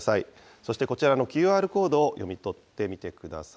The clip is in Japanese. そしてこちらのＱＲコードを読み取ってみてください。